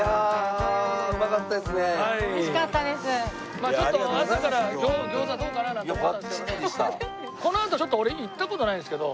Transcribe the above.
まあちょっと朝から餃子どうかな？なんて思ったんですけどね。